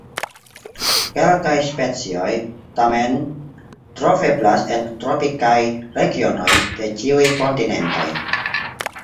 Kelkaj specioj tamen troveblas en tropikaj regionoj de ĉiuj kontinentoj.